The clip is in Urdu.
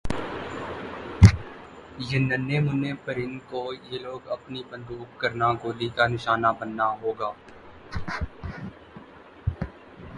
یِہ ننھے مننھے پرند کو یِہ لوگ اپنی بندوق کرنا گولی کا نشانہ بننا ہونا